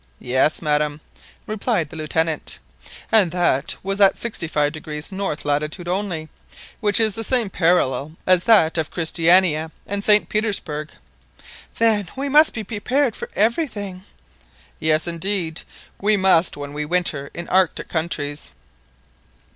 "Yes, madam," replied the Lieutenant, "and that was at 65° north latitude only, which is the same parallel as that of Christiania and St Petersburg." "Then we must be prepared for everything." "Yes, indeed, we must when we winter in Arctic countries."